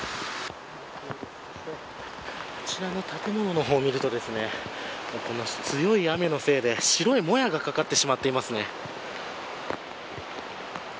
こちらの建物の方を見ると強い雨のせいで、白いもやがかかってしまっていますね。